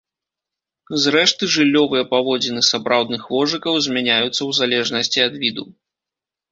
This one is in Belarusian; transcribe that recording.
Зрэшты, жыллёвыя паводзіны сапраўдных вожыкаў змяняюцца ў залежнасці ад віду.